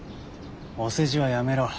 お世辞はやめろ。